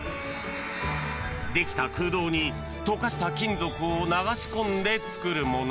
できた空洞に溶かした金属を流し込んで作るもの。